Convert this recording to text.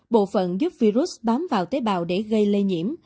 bộ phận giúp virus bám vào tế bào để gây lây nhiễm